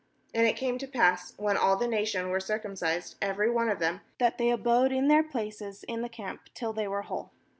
8And it came to pass, when all the nation were circumcised^ every one of them, that they abode in their places in the camp, till they were whole.